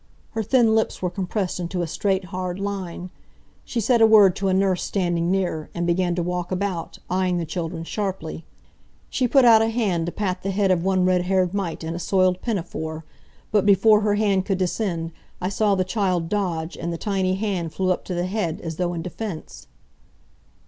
Her thin lips were compressed into a straight, hard line. She said a word to a nurse standing near, and began to walk about, eying the children sharply. She put out a hand to pat the head of one red haired mite in a soiled pinafore; but before her hand could descend I saw the child dodge and the tiny hand flew up to the head, as though in defense.